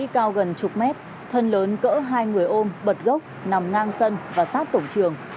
cao gần chục mét thân lớn cỡ hai người ôm bật gốc nằm ngang sân và sát cổng trường